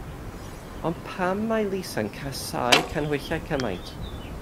Ond pam mae Lisa'n casáu canhwyllau gymaint?